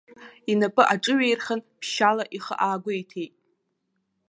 Инапы аҿыҩеирхан, ԥшьшьала ихы аагәеиҭеит.